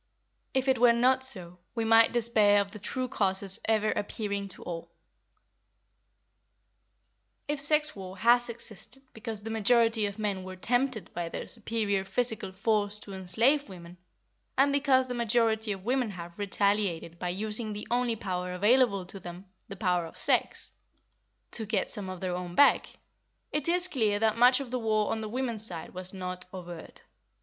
If it were not so, we might despair of the true causes ever appearing to all. If sex war has existed because the majority of men were tempted by their superior physical force to enslave women, and because the majority of women have retaliated by using the only power available to them, the power of sex, to get some of their own back, it is clear that much of the war on the women's side was not overt.